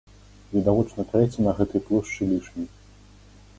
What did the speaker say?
Відавочна, трэці на гэтай плошчы лішні.